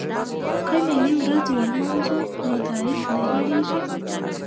که ملي ورځ ولمانځو نو تاریخ نه هیریږي.